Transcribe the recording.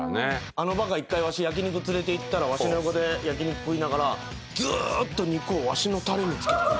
あのバカ１回わし焼き肉連れていったらわしの横で焼き肉食いながらずっと肉をわしのたれにつけて。